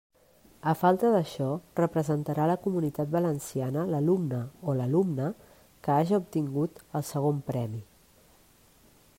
A falta d'això, representarà la Comunitat Valenciana l'alumne o l'alumna que haja obtingut el segon premi.